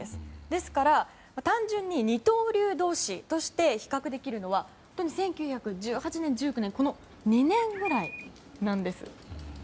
ですから単純に二刀流同士として比較できるのは１９１８年、１９１９年この２年ぐらいなんです。